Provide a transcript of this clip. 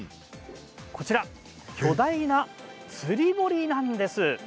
こちらは巨大な釣堀なんです。